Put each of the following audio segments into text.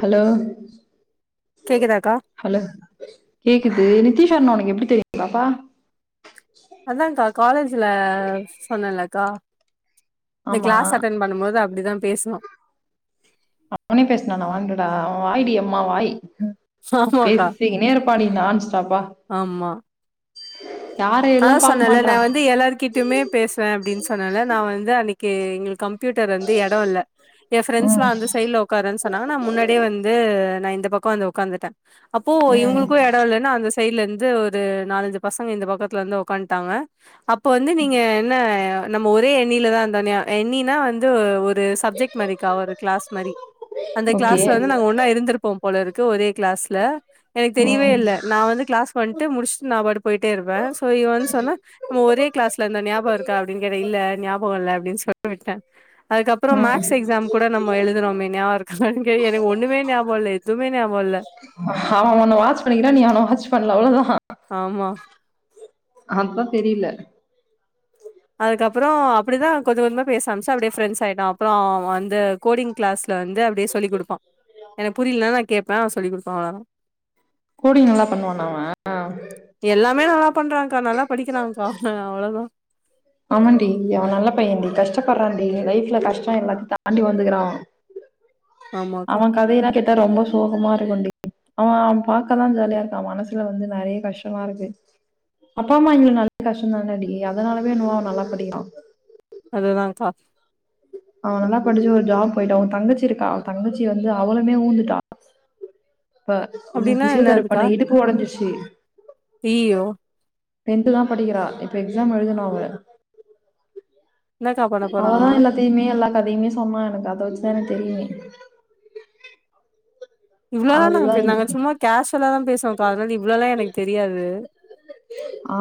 Hello கேக்குதாக்கா hello கேக்குது நிதிஷண்ணா ஒனக்கு எப்டி தெரியு பாப்பா அதான்க்கா காலேஜுல சொன்னேலக்கா இந்த ஆமா க்ளாஸ் அட்டன் பண்ணும்போது அப்டிதா பேசுனோ அவனே பேசுனானா வாண்ட்டடா ஒ வாய்டியம்மா வாய் ஆமாக்கா பேசிக்கினேருப்பாடி நான்ஸ்டாப்பா நா சொன்னல நா வந்து எல்லாருக்கி ட்டுமே பேசுவே அப்டின் சொன்னேல நா வந்து அன்னக்கி எங்ளுக் கம்ப்யூட்டர் வந்து எடோல்ல எ ம் ஃப்ரெண்ட்ஸ்லா அந்த சைட்ல ஒக்காரேன் சொன்னாங்க நா முன்னாடியே வந்து நா இந்த பக்கோ வந்து ஒக்காந்துட்டே அப்போ ம் இவுங்களுக்கு எடோ இல்லன் அந்த சைட்லந்து ஒரு நாலஞ்சு பசங்க இந்த பக்க த்ல வந்து ஒக்கான்ட்டாங்க அப்ப வந்து நீங்க என்ன நம்ம ஒரே எண்ணில தா அந்தண்யா எண்ணினா வந்து ஒரு சப்ஜெக்ட் மாரிக்கா ஒரு கிளாஸ் மாரி அந்த ஓகே கிளாஸ்ல வந்து நாங்க ஒன்னா இருந்திருப்போம் போலருக்கு ஒரே கிளாஸ்ல எனக்கு தெரியவே ம் இல்ல நா வந்து கிளாஸ் பண்ட்டு முடிச்ட்டு நா பாட்டுக்கு போய்ட்டேருப்பே இவெ வந்து சொன்னா நம்ம ஒரே கிளாஸ்ல இந்தோ ஞாபோருக்கா அப்டின் கேட்டா இல்ல ஞாபகோல்ல அப்டின் சொ விட்ட அதுக்கப்புறோ ம் மேக்ஸ் எக்ஸாம் கூட நம்ம எழுதுனோமே ஞாபகோ இருக்கா கே எனக்கு ஒண்ணுமே ஞாபகோ இல்ல எதுவுமே ஞாபகோ இல்ல அவ உன்ன வாட்ச் பண்ணிக்கிட்டா நீ அவன வாட்ச் பண்ணலா அவ்வளதா ஆமா அப்ப தெரியல அதுக்கப்புறோ அப்படிதா கொஞ்ச கொஞ்சமா பேச ஆரம்மிச்சோ அப்படியே ப்ரெண்ட்ஸ் ஆயிட்டோ அப்புறோ வந்து கோடிங்கிளாஸ்ல வந்து அப்படியே சொல்லி குடுப்பா எனக்கு புரியலென்னா ந கேப்ப அவ சொல்லி குடுப்பா அவ்ளதா கோடிங் நல்லா பண்ணுவான அவ எல்லாமே நல்லா பண்றாங்கக்கா நல்லா படிக்கிறாங்கக்கா அவ்வளாதா ஆமான் டி அவ நல்ல பையன்டி கஷ்டப்படுறான் டி லைப்ல கஷ்ட எல்லாத்தையு தாண்டி வந்துக்கறாவ ஆமாக்கா அவ கதையெல்லா கேட்ட ரொம்ப சோகமா இருக்குண்டி அவ அவ பாக்கதா ஜாலியா இருக்கா அவ மனசுல வந்து நறையா கஷ்டலா இருக்கு அப்பா அம்மா இல்லனாலே கஷ்டோ தானடி அதனாலவோ என்னவோ அவ நல்லா படிகிறா அதுதான்க்கா அவ நல்லா படிச்சு ஒரு ஜாப் போயிட்டு அவன் தங்கச்சி இருக்கா அவ தங்கச்சி வந்து அவளுமே ஊந்துட்டா இப்ப உ அப்டின்னா பிசிய தரப்பிபண்ண இடுப்பு ஒடஞ்சிருச்சு யியையோ டென்து தா படிக்கிறா இப்ப எக்ஸாம் எழுதனு அவ என்னக்கா பண்ண அவதா போறாங்களா எல்லாத்தையுமே எல்லா கதையுமே சொன்னா எனக்கு அத வச்சுதா எனக்கு தெரியுமே இவ்வளோதானா அதுதா பே இது நாங்க சும்மா கேஷுவலா தா பேசுவோம் பா அதனால இவ்வளோல்லா எனக்கு தெரியாது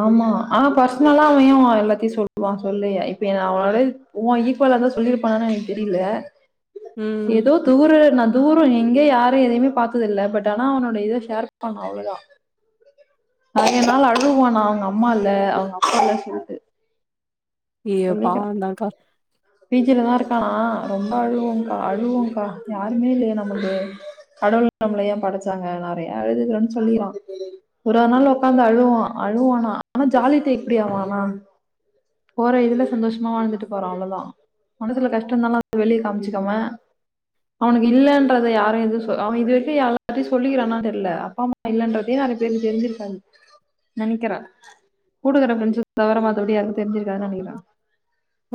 ஆமா ஆனா பர்சனலா அவ ஏ எல்லாத்தையு சொல்லுவா சொல்லு இப்ப அவளால உ ஈக்குவலா தா சொல்லிருப்பான எனக்கு தெரியல ம் ஏதோ தூர நா தூரோ எங்கே யாரு எதையுமே பாத்ததில்ல பட் ஆனா அவனோடைய இத ஷேர் பண்ணோ அவ்ளோதா நறய நாள் அழுவானா அவங்க அம்மா இல்ல அவங்க அப்பால்ல சொல்லிட்டு ஐய்யய்யே சொல்லிக்கிறான் பாவோந்தாக்கா பீஜில தா இருக்கானா ரொம்ப அழுவங்க்கா அழுவங்க்கா யாருமே இல்லையே நமக்கு கடவுள் நம்மல ஏ படைச்சாங்க நறைய அழுதுகறேன்னு சொல்லிருக்கா ஒரு ஒரு நாள் உக்காந்து அழுவா அழுவானா ஆனா ஜாலி டைப்டி அவ எல்லா போற இதுல சந்தோஷமா வாழ்ந்துட்டு போற அவ்வளதா மனசுல கஷ்டோனுலா வெளியே காமிச்சுக்காம அவனுக்கு இல்லன்றத யாரு எதுவு அவ இது வரைக்கும் யார்ட்டயு சொல்லிக்கிறானான்னு தெரில அப்ப இல்லன்றதே அது தெரிஞ்சி தெரிஞ்சிருக்காது நெனைக்கிறா கூட்டுகற ஃப்ரெண்ட்ஸ்சுக்கு தவிர மத்தபடி யாரும்க்கு தெரிஞ்சிருக்காதுன்னு நெனைக்கிறே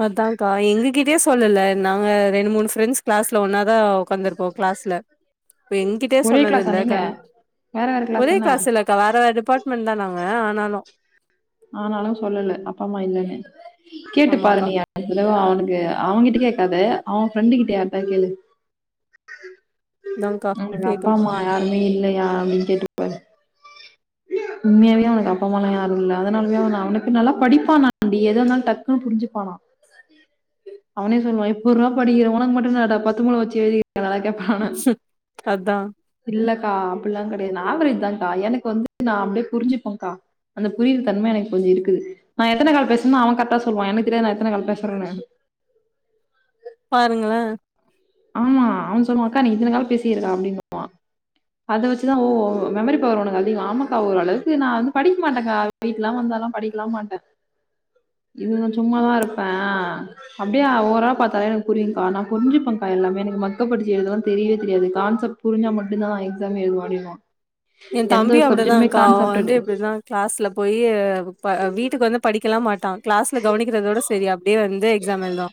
அதான்க்கா எங்ககிட்டயே சொல்லல நாங்க ரெண்டு மூணு ஃப்ரெண்ட்ஸ் கிளாஸ்ல ஒன்னாதா உக்காந்துரு போ கிளாஸ்ல எங்கிட்டேயே ஒரே சொன்னது கிளாஸா இல்ல க நீங்க? வேற வேற கிளாஸ் ஒரே தான? கிளாஸ்ல க வேற வேற டிபார்ட்மெண்ட் தா நாங்க ஆனாலு ஆனாலு சொல்லல அப்பா அம்மா இல்லலைன்னு கேட்டு பாரு ஆமாக்கா நீ யார் இதுலேயு அவனுக்கு அவன்கிட்ட கேட்காத அவ ஃப்ரெண்டு கிட்ட யாரிட்டயா கேளு அதான்க்கா அவனுக்கு அப்பா கேக்கணு அம்மா யாருமே இல்லையா அப்படின்னு கேட்டுப்பாரு உண்மையாவே அவனுக்கு அப்ப அம்மாலா யாரு இல்ல அதனாலய அவனுக்கு நல்லா படிப்பானாண்டி எதானலே டக்குன்னு புரிஞ்சுப்பானா அவனே சொல்லுவா எப்புறா படிக்கிற உனக்கு மட்டு என்னாடா பத்து மூளை வச்சு எழுதியி எவனாவது கேப்பானா அதா இல்லக்கா அப்படிலா கெடையாது ஆவ்ரேஜ் தான்கா எனக்கு வந்து நா அப்படியே புரிஞ்சுப்பேன்கா அந்த புரியுற தன்ம எனக்கு கொஞ்சு இருக்குது நா எத்தன கால் பேசுவே அவ கரெக்டா சொல்லுவா எனக்கு தெரியாது நா எத்தன கால் பேசுறேன்னு பாருங்களே ஆமா அவெ சொல்லுவா அக்கா நீ இத்தன கால பேசிருக்க அப்பிடின்னுவா அத வச்சுதா ஓ மெமரி பவர் உனக்கு அதிகோ ஆமக்கா ஓரளவுக்கு நா வந்து படிக்க மாட்டேக்கா வீட்டுல்லா வந்தாலா படிக்கெல்லா மாட்ட இது நா சும்மாதா இருப்ப அப்டியா அ ஓராலா பாத்தாலே எனக்கு புரியுக்கா நா புரிஞ்சுப்பங் கா எல்லாமே எனக்கு மக்கப் படிச்சு எழுதலா தெரியவே தெரியாது கான்செப்ட் புரிஞ்சா மட்டுந்தா எக்ஸாமே எழுதுவே அப்டின்னுவா என் தம்பியு அப்டிதான்க்கா அவெ வந்து எப்டினா கிளாஸ்ல போய் ப வீட்டுக்கு வந்து படிக்கலா மாட்டா கிளாஸ்ல கவனிக்கிறதோட சரி அப்டியே வந்து எக்ஸாம் எழுதுவா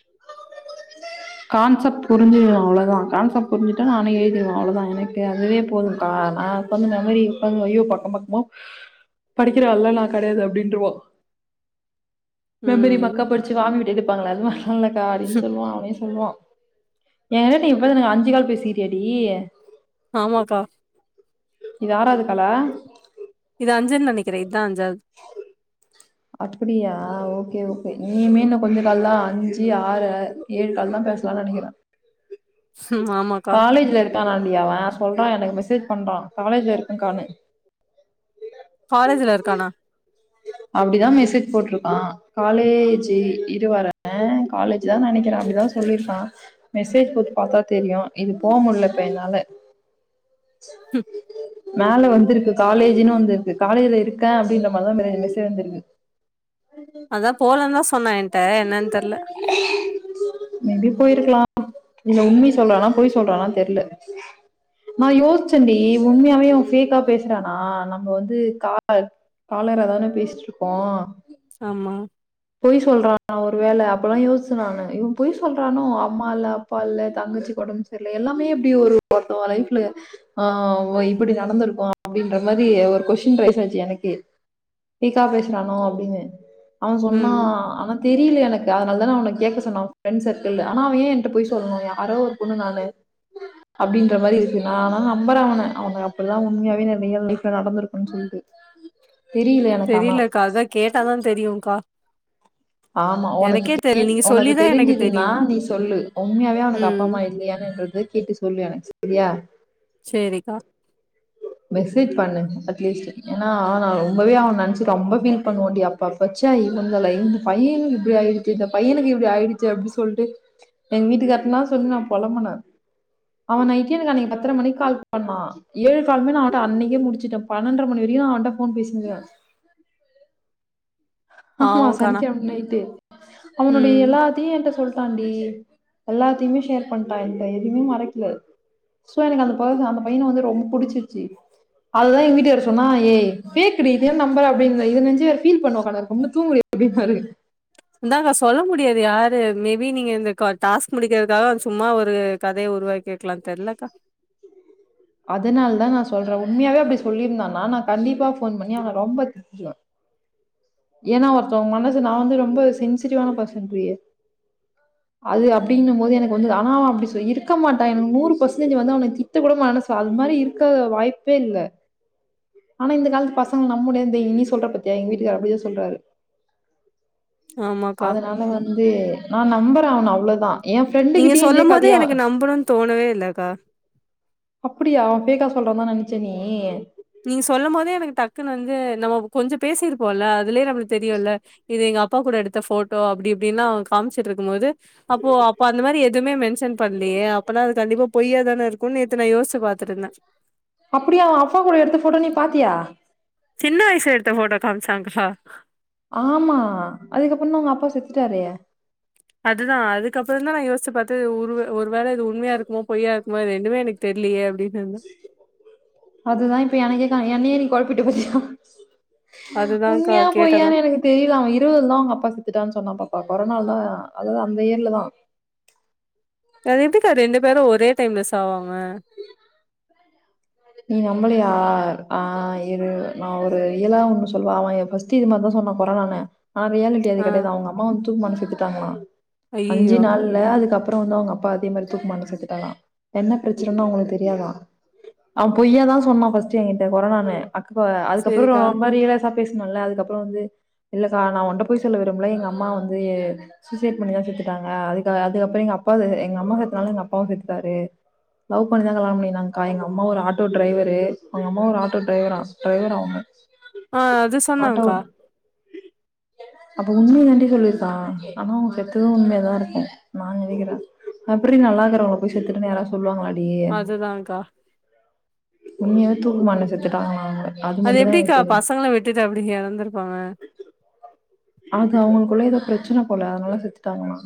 கான்செப்ட் புரிஞ்சிடுவே அவ்ளோதா கான்செப்ட் புரிஞ்சிட்ட நானே எழுதிடுவே அவ்ளோதா எனக்கு அதுவே போதுக்கா நா உக்காந்து மெமரி உக்காந்து ஐயோ பக்கம் பக்கமா படிக்கிற ஆள்லா நா கெடையாது அப்டின்றுவா மெமரி ம். மக்கப் படிச்சு வாமிவிட்டு எடுப்பாங்களா அது மாரில்லா இல்லக்கா அப்டின்னு சொல்லுவா அவே சொல்லுவா ஏன்கிட்ட நீ இப்பதான அஞ்சு கால் பேசிட்டியாடி ஆமாக்கா இது ஆறாவ்து காலா இது அஞ்சுன் நெனைக்கிறே இதா அஞ்சாவ்து அப்புடியா ஓகே ஓகே இனிமே இன்னு கொஞ்ச கால்தா அஞ்சு ஆறு ஏழு கால்லா பேசலானு நெனைக்கிறே ம் ஆமாக்கா. காலேஜ்ல இருக் கானாண்டி அவெ சொல்றா எனக்கு மெசேஜ் பண்றா காலேஜ்ல இருக்கேன்க்கானு காலேஜ்ல இருக்கானா அப்டிதா மெசேஜ் போட்ருக்கா காலேஜ் இரு வர காலேஜ் தா நெனைக்கிறே அப்டிதா சொல்லிருக்கா மெசேஜ் போய் பாத்தா தெரியு இது போ முல்ல இப்ப என்னால ம் மேல வந்திருக்கு காலேஜ்ன்னு வந்திருக்கு காலேஜ்ல இருக்கே அப்டின்ற மாரிதா மெ மெசேஜ் வந்திருக்கு அதா போலன்தா சொன்னா என்ட்ட என்னன் தெர்ல மேபி போயிருக்கலாம் இல்ல உண்மி சொல்றானா பொய் சொல்றானானு தெர்ல நா யோசிச்சேன்டி உண்மையாவே அவெ ஃபேக்கா பேசுறானா நம்ம வந்து காலர் காலரா தானே பேசுட்டுருக்கோ ஆமா பொய் சொல்றானோ ஒரு வேள அப்டில்லா யோசிச்ச நானு இவெ பொய் சொல்றானோ அம்மா இல்ல அப்பா இல்ல தங்கச்சிக்கு ஒடம்பு சரில்ல எல்லாமே எப்டி ஒரு ஒருத்தவங்க லைஃப்ல ஆ ஓ இப்டி நடந்திருக்கு அப்டின்ற மாரி ஒரு கொஸ்டின் ரைஸ் ஆச்சு எனக்கே ஃபேக்கா பேசுறானோ அப்டின்னு அவ சொன்னா ம். அவன் தெரில எனக்கு அதனால தானே அவன கேக்க சொன்னே அவ ஃப்ரெண்டஸ் சர்க்கிள்ல ஆனா அவ ஏ என்ட்ட பொய் சொல்லணு யாரோ ஒரு பொண்ணு நானு அப்டின்ற மாரி இருக்கு நானு நம்புற அவன அவனுக்கு அப்டிதா உண்மையாவே ந்த ரியல் லைஃப்ல நடந்திருக்குன் சொல்ட்டு தெரிலக்கா அதா கேட்டாதா தெரியுக்கா ஆமா உனக்கு கேட் [inaudible] உனக்கு தான் எனக்கு தெரிஞ்சுதுன்னா தெரியும். நீ சொல்லு உண்மையாவே உனக்கு அப் ம். ப்பா அம்மா இல்லையானுன்றத கேட்டு சொல்லு எனக்கு சரியா சேரிக்கா மெசேஜ் பண்னு அட்லீஸ்ட் ஏனா நா ரொம்பவே அவன நனச்சி ரொம்ப பீல் பண்ணுவோண்டி அப் பப்ச இவங்கள இந்த பையனுக்கு இப்டி ஆயிடுச்சே இந்த பையனுக்கு இப்டி ஆயிடுச்சே அப்டி சொல்டு எங்க வீட்டுக்கார்ட எல்லா சொல்லி நா பொழம்புன அவ நைட்டே எனக்கு அன்னைக்கு பத்தரை மணிக்கு கால் பண்னா ஏழு காலுமே நா அவன்ட அன்னைக்கே முடிச்சிட்டே பன்னென்ற மணி வரைக்கு நா அவன்ட போன் பேசிகிற ஆமா பாவம்க்கா ஆனா. சனிக்கிழம நைட்டு ம். அவனுடைய எல்லாத் தி என்ட சொல்லிட்டான்டி எல்லாத்தையுமே ஷேர் பண்ணிட்டா என்ட எதுவுமே மறைக்ல சூவர்ருங்க அந்த பொழக்கோ அந்த பையன வந்து ரொம்ப புடிச்சிருச்சி அதுதா எங்க வீட்டுகாரர் சொன்னா ஏ பேக் டீ இதெல்லா நம்புற அப்டி இருந்த இத நினைச்சி பீல் பண்ணிவ உக்காந்து வேரு இன்னு தூங்கலையா எப்டி பாரு இந்தாங்க சொல்ல முடியாது யாரு மேபி நீங்க இந்த கா டாஸ்க் முடிக்கிறதுக்காக சும்மா ஒரு கதைய உருவாக் கேக்லா தெர்லக்கா அதனால தா நா சொல்ற உண்மையாவே அப்டி சொல்லிருந்தானா நா கண்டிப்பா போன் பண்ணி அவன ரொம்பத் ஏனா ஒருத்தவங்க மனசு நா வந்து ரொம்ப சென்சிட்டிவான பர்சன் ஃப்ரியே அது அப்டின்னும் போது எனக்கு வந்து ஆனா அப்டி இருக்க மாட்டா எனக்கு நூறு பர்சன்டேஜ் வந்து அவன திட்டக்க கூட மனசு அது மாரி இருக்க வாய்ப்பே இல்ல ஆனா இந்த காலத்து பசங்க நம்ப முடியாது இந்த இனி சொல்ற பாத்தியா எங்க வீட்டுக்காரு அப்டி தா சொல்றாரு ஆமாக்கா. அதனால வந்து நா நம்ற அவன அவ்ளதா நீங்க சொல்லம் போதே எனக்கு நம்புணுன்னு தோணவே இல்லக்கா அப்டியா அவ பேக்கா சொல்றவதா நனச நீ நீங்க சொல்லம் போதே எனக்கு டக்குன்னு வந்து நம்மோ கொஞ்சம் பேசிருப்போல அதுலே நமளுக்கு தெரியுல இது எங்க அப்பா கூட எடுத்த போட்டோ அப்டி இப்டில்லா காமிச்சிட்டு இருக்கும்போது அப்போ அப்ப அந்த மாதிரி எதுமே மென்ஷன் பண்ணலையே அப்பனா அது கண்டிப்பா பொய்யாதான இருக்கு நேத்து நா யோசி பாத்துட்டுருந்த அப்டியா அவ அப்பா கூட எடுத்த போட்டோ நீ பாத்தியா சின்ன வயசுளா எடுத்த போட்டோ காமிச்சாக்கா ஆமா அதுக்கப்ரோ தா அவங்க அப்பா செத்துட்டாரே அதுதா அதுக்கப்புறதான யோசிச்சி பாத்து உருவ ஒரு வேல இது உண்மையா இருக்குமோ பொய்யா இருக்குமோ ரெரண்டுமே எனக் தெர்லயே அப்டின்னு அதுதா இப்ப எனக்கே க என்னயே நீ கொழப்பிட்ட பாத்தியா அதுதான்க்கா உண்மையா கேட்டேன் நான். பொய்யான்னு எனக்கு தெரியல அவ இருவது தா அவங்க அப்பா செத்துட்டான்னு சொன்னா பாப்பா கொரோனால அதாவது அந்த இயர்ல தா அது எப்டிக்கா ரெண்டு பேரு ஒரே டைம்ல சாவாங்க நீ நம்பளயா ஆ இரு நா ஒரு இயலா ஒன்னு சொல்லுவா அவ எப்பஷ் தி இது மாரிதா சொன்னா கொரோனானு ஆன ரியாலிட்டி ஆ. [unintelligible] கெடையாதா அவங்க அம்மா வந்து தூக்கு மாட்டி செத்துட்டாங்களா அஞ்சி ஐய்யயோ! நாள் ல அதுக்கு அப்ரோ வந்து அவங்க அப்பா அதே மாதிரி தூக்குமாட்டி செத்துட்டாலா என்ன பிரச்சன்னனு அவங்களுக்கு தெரியாதா அவ பொய்யாதா சொன்னா பர்ஸ்ட் எகிட்ட கொரோனான்னு அக்கு அதுக்கப்ரோ சரிக்கா. ரொம்ப ரியல பேசுனோல அதுக்கப்ரோ வந்து இல்லக்கா நா ஒண்ட பொய் சொல்ல விரும்பல எங்க அம்மா வந்து சூசைட் பண்ணிதா செத்துட்டாங்க அதுக்கு அதுக்கப்புற எங்க அப்பா செ எங்க அம்மா செத்தனால எங்க அப்பாவு செத்துடாரு லவ் பண்ணிதா கல்யாணம் பண்ணிக்கிணாங்கக்கா அம்மா ஒரு ஆட்டோ டிரைவரு அவங்க அம்மா ஒரு ஆட்டோ டிரைவரா டிரைவர அவங்க ஆ அது ஆட்டோ சொன்னாங்க்கா அப்ப உண்மைய தாண்டி சொல்லிருக்கா ஆனா அவங்க செத்தது உண்மையதா இருக்கு நா நெனைக்கிறே எப்பர்டி நல்லார்க்கறவங்கள போய் செத்துட்டுனு யாரா சொல்லுவாங்களாடி அதான்க்கா உண்மையாவே தூக்குமாட்டி செத்துட்டாங்களாங்க அது எப்டிக்கா பசங்கள விட்டுட்டு அப்டி இறந்துருப்பாங்க அது அவங்களுக்குள்ள ஏதோ பிரச்சன போல அதனால செத்துட்டாங்களா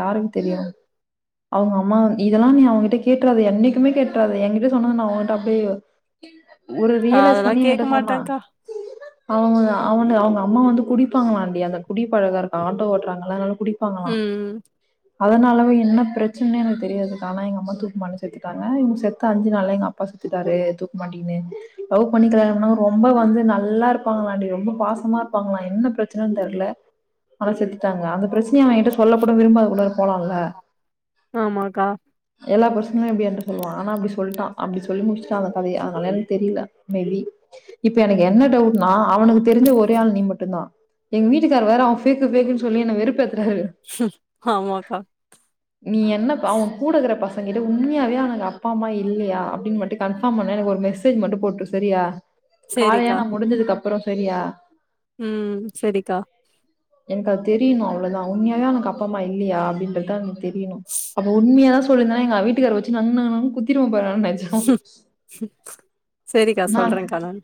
யாருக்கு தெரியம அவுங்க அம்மா இதெல்லா நீ அவங்கிட்ட கேட்டுறத என்னைக்குமே கேட்டுறாத என்கிட்ட சொன்னது நா உங்கிட்ட அப்டியே ஒரு நான் ரியலைஸ் பண்ணி அதெல்லாம் கேட்க எங்கிட்ட சொன்னா மாட்டேன்க்கா. அவங்க அவனை அவங்க அம்மா வந்து குடி குடிப்பாங்களாண்டி அந்த குடி பழக்க இருக்க ஆட்டோ ஓட்டுறாங்களா அதனால குடிப்பாங்களா ம். அதனாலவே என்ன பிரச்சனனே எனக்கு தெரியாது கா ஆனா எங்க அம்மா தூக்குமாட்டி செத்துட்டாங்க இவங்க செத்து அஞ்சு நாள்ல எங்க அ ப்பா சொத்துடாரு தூக்குமாட்டின்னு லவ் பண்ணிக்கல்யாணம் பண்ணவங்க ரொம்ப வந்து நல்லா இருப்பாங்களாண்டி ரொம்ப பாசமா இருப்பாங்களா என பிரச்ச னனு தெரில ஆனா செத்துட்டாங்க பிரச்சனய அவன்கிட்ட சொல்ல கூட விரும்பாதக்குள்ள போலாம்ல ஆமாக்கா எல்லா பிரசன்னையு வந்து என்ட சொல்லுவா ஆனா அப்டி சொல்லிட்டா அப்டி சொல்லி முடிச்சுடா அந்த கதைய அதனால எனக்கு தெரில மேபி இப்ப எனக்கு என்ன டவுட்னா அவனுக்கு தெரிஞ்ச ஒரே ஆள் நீ மட்டு தா எங்க வீட்டுக்கார் வேற அவன் ஃபேக்கு ஃபேக்குன்னு சொல்லி என்ன வெறுப்பேத்துறாரு ம் ஆமாக்கா நீ என்னப்பா அவன் கூடக்கற பசங்ககிட்ட உண்மையாவே அவனுக்கு அப்பா அம்மா இல்லையா அப்டின்னு மட்டு கன்ஃபார்ம் பண்ண எனக்கு ஒரு மெசேஜ் மட்டு போட்டுரு சரியா சரிக்கா. காரியேலா முடிஞ்சதுக்கு அப்றோ சரியா ம் சேரிக்கா எனக்கு அது தெரியணு அவ்ளோதா உண்மையாவே அவனுக்கு அப்பா அம்மா இல்லையா அப்டின்றதுதா அவனு தெரியிணு அப்ப உண்மையத சொல்லிருந்தன எங்க வீட்டுக்கார வச்சு நங் நங் நங்னு குத்திருவ பாரு நெஜோ சேரிக்கா நா சொல்றேன்க்கா நானு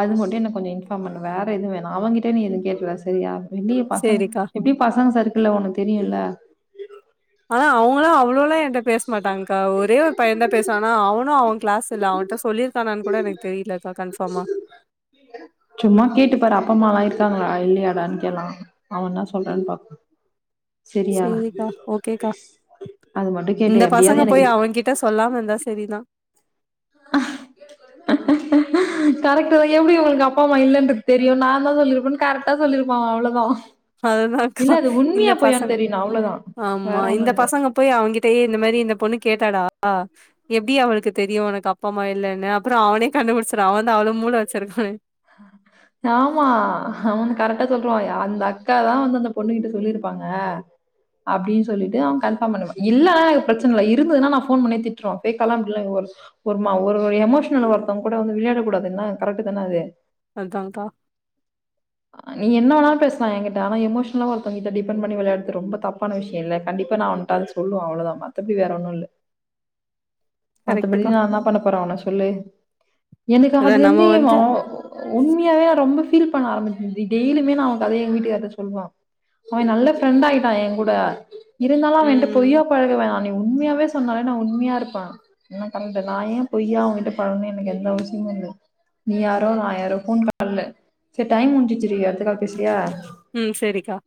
அது மட்டும் எனக்கொஞ்சோ இன்பார் பண்ணுங்க வேற எதுவு வேண அவங்கிட்டே நீ எது கேட்டுறா சரியா எப்டியு பசங்க சரிக்கா. எப்டியு பசங்க சர்க்குல்ல உனக்கு தெரியுல ஆனா அவங்களா அவ்ளோளா எட பேச மாட்டான்ங்கா ஒரே ஒரு பையன் தா பேசுவா ஆனா அவனு அவ கிளாஸ் இல்ல அவன்ட்ட சொல்லிருக் இருக்கனா கூட எனக்கு தெரியலக்கா கன்ஃபாம்மா சும்மா கேட்டு பாரு அப்ப அம்மாலா இருக்காங்களா இல்லையாடான்னு கேலே அவ என்ன சொல்றன்னு பாப்போ சேரிக்கா ஓகேக்கா அது மட்டும் இந்த கேட்டு பசங்க எப்டியாவது எனக்கு போய் அவன் கிட் ட சொல்லாம இருந்தா சேரிதா கரெக்டோ எப்டி உங்களுக்கு அப்பா அம்மா இல்லன்றது தெரியு நான்தா சொல்லிருப்பேன்னு கரெக்டா சொல்லிருப்பா அவ்ளோதா அதுதாங்கா இந்த பசங் அவ்ளோதான் ஆமா வேற இந்த ஒண்ணும் இல்ல பசங்க போய் அவுங்கிட்டயே இந்த மாரி இந்த பொண்ணு கேட்டாடா எப்டி அவளுக்கு தெரியு உனக்கு அப்பா அம்மா இல்லன்னு அப்புறோ அவனே கண்டுபிடிச்சிறா அவன் தா அவ்ளோ மூல வச்சிருக்கானே ஆமா அவனுக் கரெக்டா சொல்ருவா அந்த அக்கா தா வந்து அந்த பொண்ணு கிட்ட சொல்லியிருப்பாங்க அப்டின் சொல்லிட்டு அவ கன்பாம் பண்ணுவா இல்ல பிரச்சனை இல்ல இருந்துசுன்னா நா ஃபோன் பண்ணி திட்றோ ஃபேக்காலா அப்டிலா எதுவு ஒரு மா ஒரு எமோஷனல் ஒருத்தங்கூட வந்து விளையாடக் கூடாதுன்ன கரெக்ட்டு தானே அது அதாங்கா நீங்க என்ன வேணாலு பேசலா என்கிட்ட ஆனா எமோஷனலா ஒருத்தங்கிட்ட டிபண்ட் பண்ணி விளையாட்றது ரொம்ப தப்பான விஷய இல்ல கண்டிப்ப நா அவ ட்டான் சொல்லுவா அவ்ளோ தா மத்தபடி வேற ஒன்னு இல்ல மத்தபடி கரெக்ட்டுக்கா நா என்ன பண்ண போறே அவன சொல்லி எனக்கு அதா அதுல நம்ம இருந்து இவ வந்து உண்மையாவே ரொம்ப ஃபீல் பண்ண ஆரம்பி டெ டி டெய்லியுமே நா அவ கதைய எ வீட்டுக்காரட்ட சொல்வா அவ நல்ல ஃப்ரெண்ட் ஆயிட்டா எ கூட இருந்தாலு அவ என்ட்ட ம் பொய்யா பழக வேணா நீ உண்மையாவே சொன்னாலே நா உண்மையா இருப்பே என்ன பண்ற நா ஏ பொய்யா அவுகிட்ட பழகனு எனக்கு எந்த அவசியமு இல்ல நீ யாரோ நா யாரோ ஃபோன் பண்ல செரி டைம் முஞ்சிச்சிறி அடுத்த கால் பேசுறியா ம் செரிக்கா